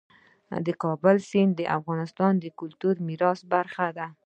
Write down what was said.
د کابل سیند د افغانستان د کلتوري میراث برخه ده.